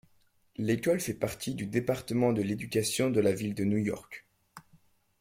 L'école fait partie du Département de l'Éducation de la Ville de New York.